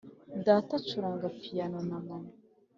data acuranga piyano na mama.